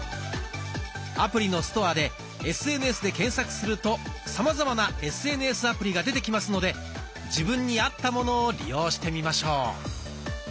アプリのストアで「ＳＮＳ」で検索するとさまざまなＳＮＳアプリが出てきますので自分に合ったものを利用してみましょう。